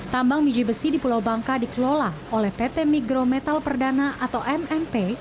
tambang biji besi di pulau bangka dikelola oleh pt migrometal perdana atau mmp